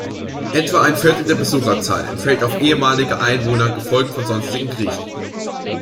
Etwa ein Viertel der Besucherzahl entfällt auf ehemalige Einwohner gefolgt von sonstigen Griechen.